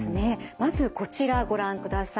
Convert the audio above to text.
まずこちらご覧ください。